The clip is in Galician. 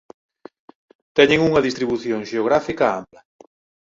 Teñen unha distribución xeográfica ampla.